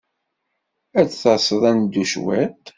Ad d-taseḍ ad neddu cwiṭ?